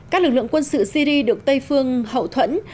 các lực lượng quân sự syri được tây phương hậu thuẫn